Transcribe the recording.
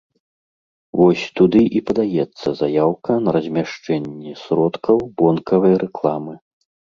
Вось туды і падаецца заяўка на размяшчэнне сродкаў вонкавай рэкламы.